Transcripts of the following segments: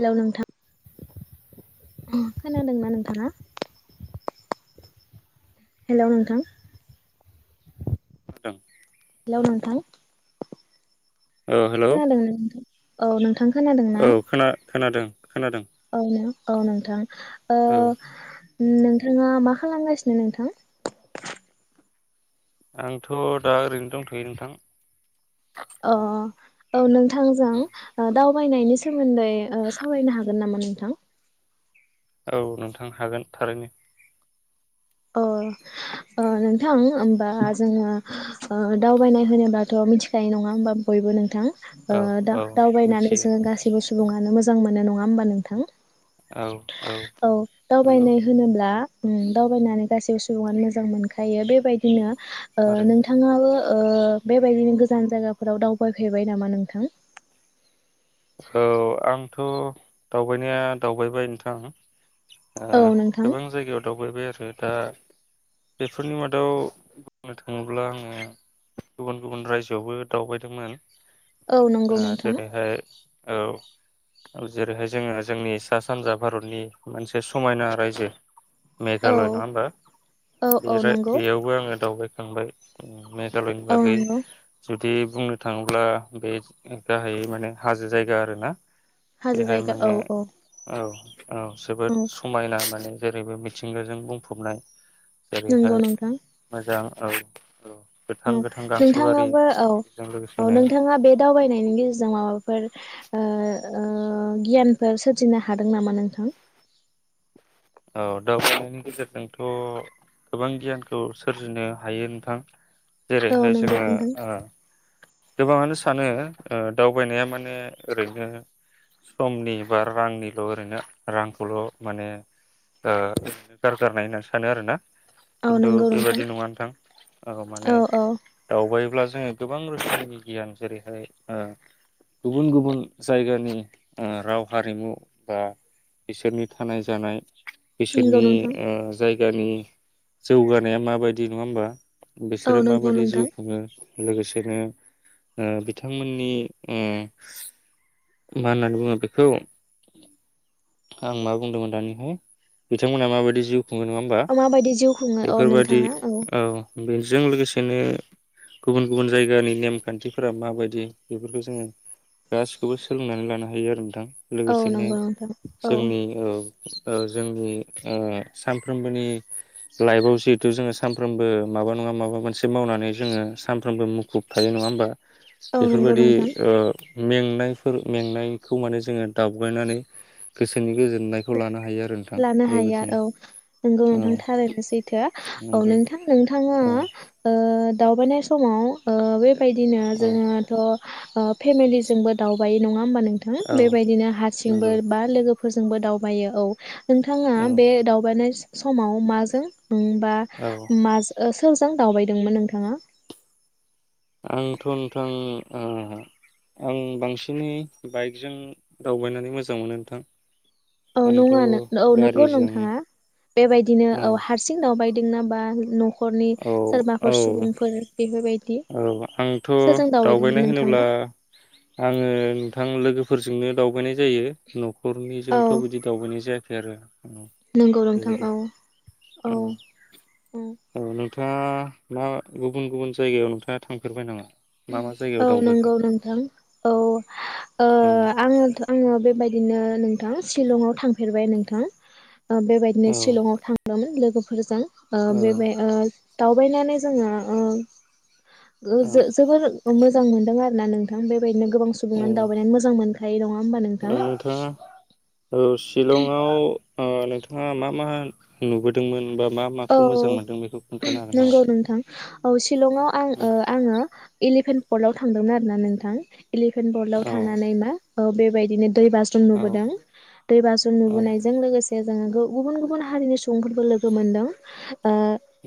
Hello नोंथां [inaudible] खोनादोंना नोंथाङा? हेलौ नोंथां [unintelligible] हेलौ नोंथां हेलौ खोनादों ना नोंथां? औ नोंथां खोनादों औ ना? खोना खोनादों। खोनादों औ ना। औ नोंथां ओ औ नोंथांङा मा खालामगासिनो नोंथां? आंथ' दा ओरैनो दंथ'यो नोंथां। अ औ नोंथा थांजों ओ दाव बायनायनि सो सोमोन्दै ओ सावरायनो हागोन नामा? नोंथां औ नोंथां हागोन थारैनो अ ओ नोंथां होमबा जोंङो ओ दावबायनाय होनोब्लाथ' मिथिखायो नंङा होमबा बयबो नोंथां ओ औ औ दा-दावबायनानै मिथियो जोंङो गासिबो सुबुंङानो मोजां मोजां मोनो नंङा होमबा नोंथां? औ नंगौ दावबायनाय होनोब्ला उम दाव माने गासिबो सुबुंङानो मोजां मोनखायो बेबायदिनो ओ थारैनो नोंथांङाबो ओ बेबायदिनो गोजान जायगाफोराव दावबाय फेरबाय नामा नोंथां? औ आंथ' दावबायनाया दावबायबाय नोंथां आ औ नोंथां गोबां जायगायाव दावबायबाय आरो दा बेफोरनि मादाव बुंनो थांङोब्ला आंङो गुबुन गुबुन रायजोआवबो दावबायदोंमोन। औ नंगौ ओ नोंथां। जेरैहाय औ औ जेरैहाय जोंङो जोंनि सा सानजा भारतनि मोनसे समायना रायजो औ मेघालय नंङा होमबा औ औ इनिफ्राय नंगौ बेयावबो आंङो दावबाय थांबाय उम मेघा मेघालय औ होनबाथाय नंगौ जोब बिदि बुंनो थांङोब्ला बे गाहायै माने हाजो जायगा आरो ना हाजो बेहाय जायगा औ माने औ औ औ औ जोबोद समायना माने जेरैबो मिथिंगाजों बुंफबनाय जेरैहाय मोजां औ औ गोथां उम गोथां गांसोबारि नोंथांङाबो औ बेजों औ लोगोसेनो नोंथांङा बे दावबायनायनि गेजेरजों माबा माबाफोर ओ ओ गियानफोर सोरजिनो हादों नामा नोंथां? औ दावगानायनि गेजेरजोंथ' गोबां गियानखौ सोरजिनो हायो नोंथां औ जेरैहाय नंगौ जोङो नोंथां गोबाङानो सानो दावबायनाया माने ओरैनो समनि बा रांनिल' ओरैनो रांखौल' माने गारगारनाय होननानै सानो आरो ना औ किन्थु नंगौ नोंथां बेबायदि नङा नोथां औ माने दावबायोब्ला जोङो गोबां रोखोमनि गियान जेरैहाय ओ गुबुन गुबुन जायगानि ओ राव हारिमु ओ बिसोरनि थानाय जानाय नंगौ बिसोरनि नोंथां ओ जायगानि जौगानाया माबायदि नङा होमबा औ बिसोरो नंगौ माबादि नोंथां जिउ खुङो लोगोसेनो ओ बिथांमोननि उम मा होननानै बुङो बेखौ आं मा बुंदोंमोन दानिहाय बिथांमोना माबायदि जिउ खुङो नङा होमबा माबायदि जिउ खुङो औ बेफोरबादि नोंथाङा औ बे जों लोगोसेनो गुबुन गुबुन जायगानि नेम खान्थिफोरा माबायदि बेफोरखौ जोङो गासिखौबो सोलोंनानै लानो हायो आरो नोंथां औ लोगोसेनो नंगौ नोंथां औ जोंनि औ ओ जोंनि ओ सानफ्रोमबोनि लाइफआव जिहेथु जोङो सानफ्रोमबो माबा नङा माबा मोनसे मावनानै जोङो सानफ्रोमबो मुखुब थायो नङा होमबा औ नंगौ बेफोरबादि नोंथां ओ मेंनायफोर मेंनायखौ माने जोङो दाब्लायनानै गोसोनि गेजेर लानो हाया औ नंगौ औ नोंथां थारैनो सैथो औ नंगौ नोंथां नोंथाङा औ ओ दावबायनाय समाव ओ बे बेबायदिनो औ जोङोथ' ओ फेमेलिजोंबो दावबाय नङा होमबा नोंथां औ बेबायदिनो हारसिंबो नंगौ बा लोगो फोरजोंबो दाउ मायो औ नोंथाङा औ बे दावबायनाय समाव माजों उम बा औ माज ओस सोरजों दावबायदोंमोन नोंथाङा? आंथ' नोंथां ओ आं बांसिनै बाइकजों दावबायनानै मोजां मोनो नोंथां औ आंथ' नङा नों औ नंगौ गारिजों नोंथाङा बेबायदिनो औ हारसिं दावबाय दोंना बा न'ख नखरनि औ औ सोरबाफोर सुबुंफोर बेफोरबायदि औ आंथ' सोरजों दावबायदोंमोन दावबायनाय होनोब्ला नोंथाङा आङो नोंथां लोगोफोर जोंनो दावबायनाय जायो औ न'खरनिजोंथ' बिदि दावबायनाय जाया खै आरो। औ नंगौ नोंथां बेबादि औ औ औ नोंथाङा मा गुबुन गुबुन जायगायाव नोंथाङा थांफेरबाय नामा? मा मा जायगायाव औ दावबायखो नोंगौ नोंथां औ ओ औ आङो आङो बेबाय दिनो नोंथां शिलंआव थांफेरबाय नोंथां। बेबायदिनो औ शिलंआव थांदोमोन। लोगोफोरजों ओ औ बेबाय ओ दावबायनानै जोङो ओ गो औ जो मोजां मोनदों आरो ना नोंथां बे बेबायदिनो गोबां औ सुबुङानो दावबायनानै मोजां मोनो। खायो नं आ ओमबा नोंथां? ओ शिलंआव ओ नों मा मा नुबोदोंमोन बा मा औ माखौ मोजां मोनदों बेखौ खोन्थानो हागोन नामा? नोंगौ नोंथां औ सिलंआव आं ओ आङो इलिफेनन पल्डआव थांदोंमोन आरो ना नोंथां। एलिफेन्ट बल्डाव औ थांनानै मा औ बेबायदिनो दै बास्रुम औ नुबोदों दै बास्रुम औ नुबोनायजों लोगोसे जोङो गुबुन गुबुन हारिनि सुबुंफोरबो लोगो मोनदों। ओ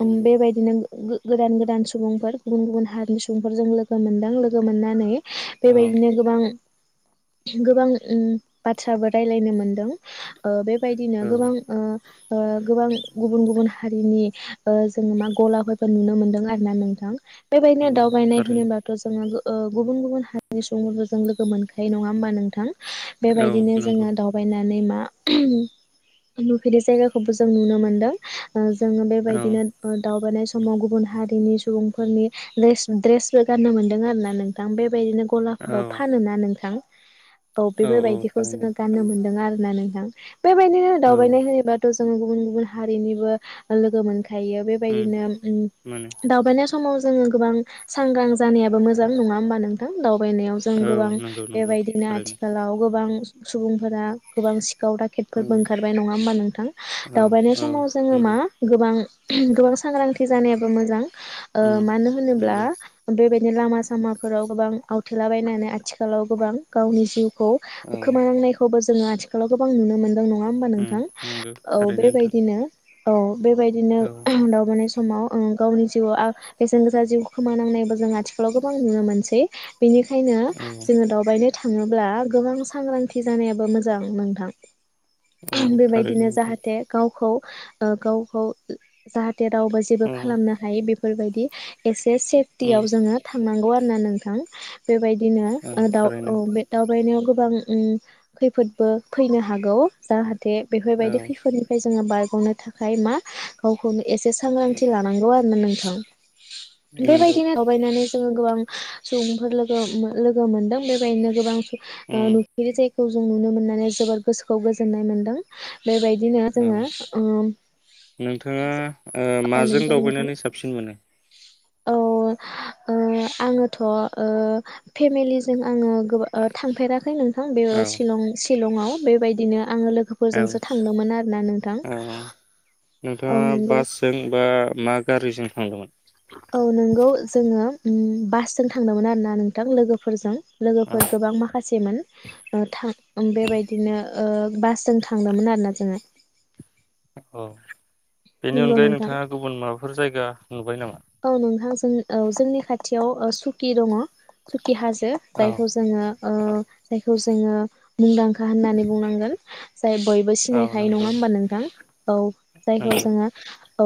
नंगौ बेबायदिनो गो-गोदान गोदान सुबुंफोर गुबुन गुबुन हारिनि सुबुंफोरजों लोगो मोनदों लोगो मोननानै औ बेबायदिनो गोबां गोबां उम बाथ्राबो रायलायनो मोनदों ओ बे बायदिनो गोबां औ ओ ओ गोबां गुबुन गुबुन हारिनि ओ जोङो मा गलाफोरबो नुनो मोनदों आरो ना नोंथां। बेबायदिनो औ दावबायनाय थारैनो होनोबाथ' जोङो ओ गुबुन गुबुन हारिनि सुबुंफोरजों लोगो मोनखायो नङा होमबा नोंथां। औ बेबायदिनो नंगौ जोङो दावबायनानै मा नुफेरै जायगाखौबो जों नुनो मोनदों। ओ जोङो औ बेबायदिनो दाव बायनाय समाव गुबुन हारिनि सुबुंफोरनि द्रेस द्रेसबो गाननो मोनदों आरो ना नोंथां। बेबायदिनो औ ग'लाफोराव फानोना नोंथां औ औ बे-बेबायदिखौ थारैनो जोङो गाननो थारैनो मोनदों आरोना नों [unintelligible] बेबायदिनो औ दावबायनाय होनोबाथ' जों गुबुन गुबुन हारिनिबो लोगो मोनगोनखा खायो उम बेबायदिनो ओम मोनो दावबाय स समाव जोङो गोबां सांग्रां जानायाबो मोजां नङा होमबा नोंथां? दाव बायनायाव जों औ गोबां नंगौ नंगौ बेबायदिनो थारैनो आथिखालाव गोबां सु-सुबुंफोरा गोबां सि खाव औ दाखेटफोरबो ओंखारबाय नङा होमबा नोंथां? औ दावबायनाय औ समाव जों नंगौ [unintelligible] गोबां बां गोबां सांग्रांथि जानायाबो मोजां। ओ उम मानो होनोब्ला नंगौ बेबाय दि लामा सामाफोराव गोबां आवथेलाबायनानै आथिखालाव गोबां गावनि जिउ खौ औ खोमानांनायखौबो जों जोङो आथिखालाव गोबां नुनो मोन नङा होमबा उम नोंथां? नंगौ औ थारैनो नोंथां बेबायदिनो औ। बेबायदिनो औ दावबायनाय स समाव ओं गावनि जिउआव आ बेसेन गोसा जिउ खोमानांनायबो जों आथिखालाव गोबां नुनो मोनसै। बेनिखायनो औ जोंङो दावबायनो थाङोब्ला गोबां सांग्रांथि जानायाबो मोजां नोंथां। औ थारैनो बेबायदिनो नोंथां जाहाथे गावखौ [inaudible] ओ गावखौ जाहा थे रावबो जेबो औ खालामनो हायै बे फोरबायदि एस से उम सेफटियाव जोंङो थांनांगौ आरो। [unintelligible] नोंथां बेबायदिनो औ दाव औ थारैनो बे दावबायनायाव गोबां गोबां उम खैफोदबो फैनो हागौ जाहा बे बेफोरबायदि औ खैफोदनिफ्राय जोङो बारग'नो थाखाय ओमाय मा गावखौनो एसे सांग्रांथि लानांगौ आरो न नों थां नंगौ बेबायदिनो दावबायनानैै जोङो गोबां सुबुंफोर लोगो लोगो मोनदों बेबायदिनो गोबां आ उम नुफेरै जाय खौ जों नुनो मोननानै जोबोद गोसोखौ गोजोननाय मोन्दों बेबायदिनो औ जोङो ओ नोंथाङा औ माजों नंगौ नोंथां दावबायनानै साबसिन मोनो औ ओ आङोथ' ओ फेमिलिजों आङो गोब थांफेराखै नों बेयो औ सिलं शिलंआव बेबायदिनो आङो औ लोगोफोरजोंसो थांदोंमोन आरोना नोंथां औ औ नोंथाङा नंगौ बासजों बा मा गारिजों थांदोंमोन औ नोंगौ जोङो उम बासजों थांदोंमोन आरोना नोंथां लोगोफोरजों औ लोगोफोर गोबां माखासे सेमोन थां बेबायदिनो ओ बासजों थांदोंमोन आरोना जोङो औ बेनि नंगौ अनगायै नोंथां नोंथाङा गुबुन माबाफोर जायगा नुबाय नामा औ नोंथां जों औ जोंनि खाथियाव सुकि दङ खि हाजो औ जायखौ जोङो औ जायखौ जोङो मुंदांखा होननानै बुंनांगोन जाय बयबो औ सिनायखायो नङा नंगौ होमबा नोंथां औ जायखौ नंगौ जोङो औ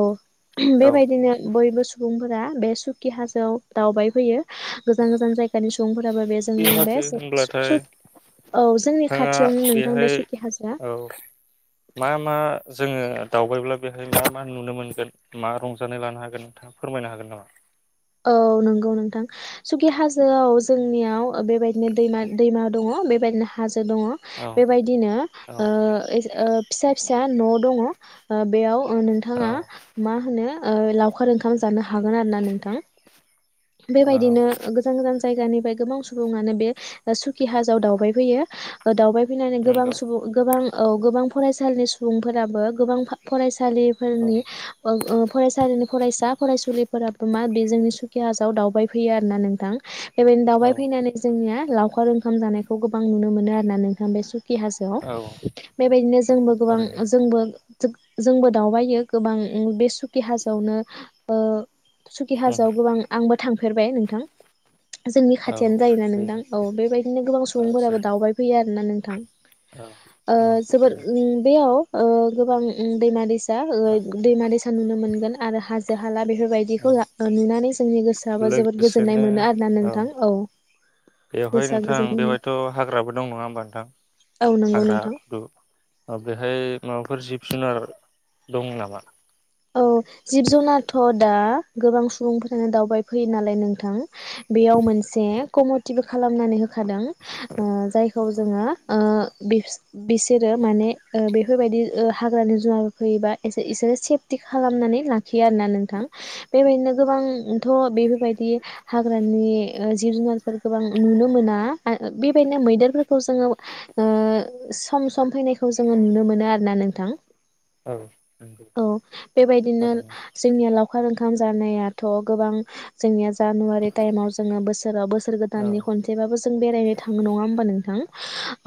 औ बेबायदिनो बयबो सुबुंफोरा बे सुकि हाजोआव दावबाय फैयो गोजान औ गोजान जायगानि सुबुंफोराबो बे जोंनि बे हाजो होनब्लाथाय औ जोंनि नोंथाङा खाथियावनो नोंथां बे बेहाय सुकी हाजिरा औ मा मा जोङो दावबायब्ला बेहाय मा मा नुनो मोनगोन मा रंजानाय लानो हागोन नोंथाङा फोरमायनो हागोन नामा औ नंगौ नोंथां सुकि हाजोआव जोंनियाव बेबायदिनो दैमा दैमा दङ बेबायदिनो हाजो दङ औ बेबायदिनो औ ओ फिसा फिसा न' दङ बेयाव औ नोंथाङा मा होनो ओ लावखार ओंखाम जानो हागोन आरो ना नोंथां औ बेबायदिनो गोजान गोजान जायगानिफ्राय गोबां सुबुङानो बे सुकि हाजोआव दावबाय फैयो दावबाय फैनानै गोबां नंगौ सुबुं गोबां औ गोबां फरायसालिनि सुबुंफोराबो गोबां फरायसा औ लिफोरनि ओ फरायसालिफोर फरायसा फरायसुलिफोराबो मा बे जोंनि सुकि हाजोआव दावबाय फैयो आरो ना नोंथां बेबायदिनो औ दावबाय फैनानै नंगौ जोंनिया थारैनो लावखार ओंखाम जानाय खौ गोबां नुनो मोनो आरो नोंथां बे सु खि हाजोआव औ बेबायदिनो जोंबो गोबां थारैनो जोंबो जो जोंबो दावबायो गोबां बे सुखि हाजोआवनो ओ सुखि उम हाजोआव गोबां आंबो थांफेरबाय नोंथां जोंनि औ खाथियानो जायोना बे नोंथां औ बेबायदिनो गोबां आदसा सुबुंफोराबो दावबाय फैयो आरो ना नोंथां औ ओ औ जोबोद थारैनो बेयाव ओ गोबां दैमा दैसा दा औ ओ दैमा दैसा नुनो मोनगोन आरो हाजो हाला औ बेफोरबायदिखौ नुनानै जोंनि गोसोआबो जोबोद गोजोननाय लोगोसेनो मोनो आरोना औ नोंथां बेवहाय गोसोआ नोंथां गोजोननाय मोनो बेवहायथ' हाग्राबो दं नङा होमबा नोंथां औ नंगौ हाग्रा नोंथां खुदु बेहाय म बेफोर जिब जुनार दं नामा? औ जिब जुनारथ' दा गोबां सुबुंफोरानो दावबायफैयो नालाय नोंथां बेयाव मोनसे कमिटिबो खालामनानै हो खादों ओ जायखौ औ जोङो ओ बि बिसोरो माने बेफोरबायदि हाग्रानि जुनार फैयोबा इसोरो सेफ टि खालामनानै लाखियो आरो़ना नोंथां बेबायदिनो गोबांथ' बेफोरबायदि हाग्रानि जिब जुनारफोर गोबां नुनो मोना बेबायदिनो मैदेरफोरखौ जोङो सम सम फैनाय खौ जोङो नुनो मोना आरो नों थां औ नंगौ बेबायदिनो थारैनो जोंनिया लावखार ओंखाम जानायाथ गोबां जोंनिया जानुवारि टाइमाव जोंङो बोसोराव बोसोर औ गोदाननि खनसेबाबो जों बेरायनो थांङो नङा होमबा नोंथां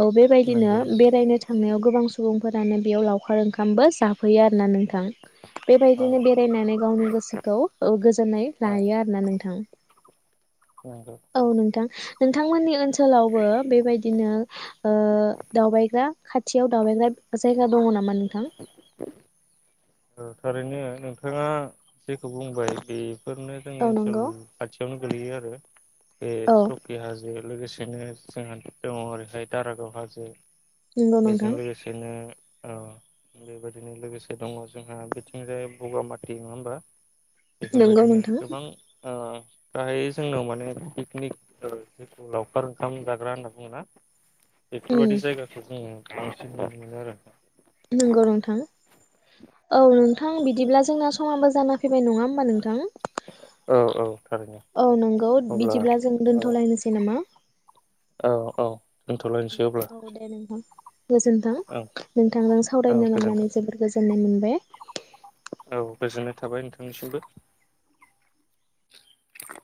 औ बेबायदिनो नंगौ बेरायनो थांनायाव गोबां सुबुंफोरानो बेयाव लावखार ओंखामबो जाफैयो आरोना नोंथां औ बेबायदिनो बेरायनानै गावनि गोसोखौ गोजोननाय औ लायो आरोना नोंथां नंगौ औ नोंथां नोंथांमोननि ओनसोलाव ओनसोलावबो बेबायदिनो दावबायग्रा खाथियाव दावबायग्रा जायगा दंङ नामा नोंथां औ थारैनो नोंथाङा जेखौ बुंबाय बेफोरनो जोंनि औ ओनसोल नंगौ खाथियावनो गोलैयो आरो बे औ सके हाजो लोगोसे बिदिनो जोंहा दंङ ओरैहाय दारागाव हाजो नंगौ बेजों नोंथां लोगोसेनो औ बेबायदिनो लोगोसे दंङ जोंहा बिथिं जाय बगामाथि नंङा होमबा नंगौ बेफोरबायदिनो नोंथां गोबां गाहायै जोंनाव माने पिकनिक जिथु लावखार ओंखाम जाग्रा होनना बुंङो उम बेफोरबादि जायगाखौ जोंङो [inaudible] नंगौ नोंथां औ नोंथां बिदिब्ला जोंना समाबो जाना फैबाय नंङा होमबा नोंथां औ औ थारैनो औ नंगौ अब्ला बिदिब्ला जों औ दोनथलायनोसै नामा औ औ दोनथ'लायनोसै अब्ला औ दे नोंथां गोजोन्थों औ नोंथांजों औ सावरायनो मोननानै गोजोन्थों जोबोर गोजोननाय मोनबाय औ गोजोननाय थाबाय नोंथांनिसिमबो [unintelligible]